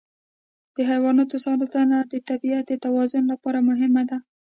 د حیواناتو ساتنه د طبیعت د توازن لپاره مهمه ده.